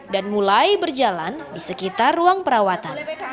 dan mulai berjalan di sekitar ruang perawatan